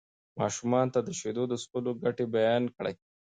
ماشومانو ته د شیدو د څښلو ګټې بیان کړئ.